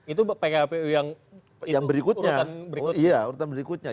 itu pkpu yang urutan berikutnya